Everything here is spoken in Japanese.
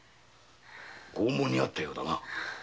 拷問にあったようだな。